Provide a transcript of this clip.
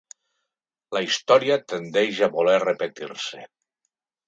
La història tendeix a voler repetir-se.